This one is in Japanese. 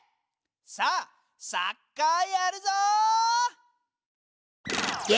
さあサッカーやるぞ！